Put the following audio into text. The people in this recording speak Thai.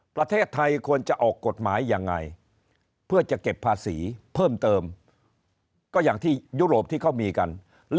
ประเทศไทยควรจะออกกฎหมายยังไงเพื่อจะเก็บภาษีเพิ่มเติมก็อย่างที่ยุโรปที่เขามีกัน